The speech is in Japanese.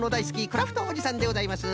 クラフトおじさんでございます。